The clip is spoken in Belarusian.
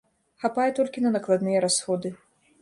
Хапае толькі на накладныя расходы.